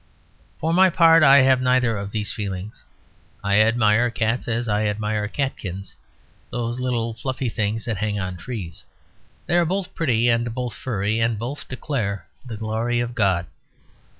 For my part, I have neither of these feelings. I admire cats as I admire catkins; those little fluffy things that hang on trees. They are both pretty and both furry, and both declare the glory of God.